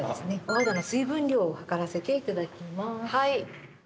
お肌の水分量を測らせていただきます。